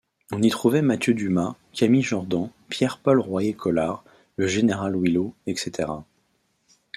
On y trouvait Mathieu Dumas, Camille Jordan, Pierre-Paul Royer-Collard, le général Willot, etc.